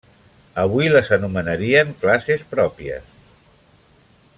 Avui les anomenaríem classes pròpies.